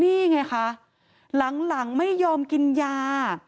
นี่ไงคะหลังไม่ยอมกินยา